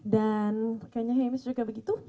dan kayaknya hamish juga begitu